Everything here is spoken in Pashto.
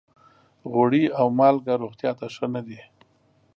غوړي او مالګه روغتیا ته ښه نه دي.